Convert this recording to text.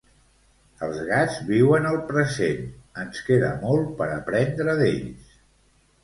Els gats viuen el present, ens queda molt per aprendre d'ells